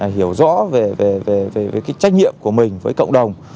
hiểu rõ về cái trách nhiệm của mình với cộng đồng